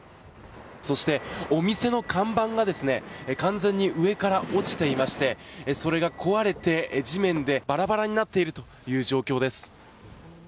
そして、お店の看板が完全に上から落ちていましてそれが壊れて地面でバラバラになっている状況です。